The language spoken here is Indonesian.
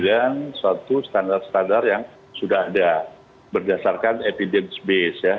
dan suatu standar standar yang sudah ada berdasarkan evidence base ya